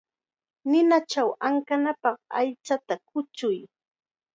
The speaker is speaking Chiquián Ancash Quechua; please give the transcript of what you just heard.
Ninachaw ankanapaq aychata kuchuy.